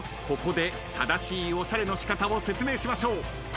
ここで正しいおしゃれのしかたを説明しましょう。